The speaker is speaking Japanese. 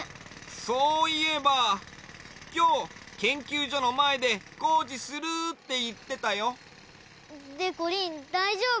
そういえばきょうけんきゅうじょのまえでこうじするっていってたよ。でこりんだいじょうぶ？